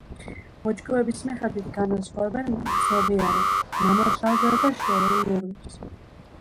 ბოჭკოების მიხედვით განასხვავებენ მგრძნობიარე, მამოძრავებელ და შერეულ ნერვებს.